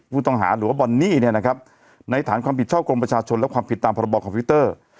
ผู้ต้องหาหรือว่าบอนนี่เนี่ยนะครับในฐานความผิดช่อกงประชาชนและความผิดตามพรบคอมพิวเตอร์